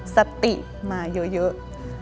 สติมาเยอะ